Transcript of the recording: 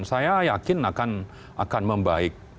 saya yakin akan membaik